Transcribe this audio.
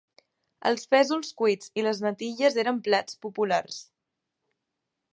Els fesols cuits i les natilles eren plats populars.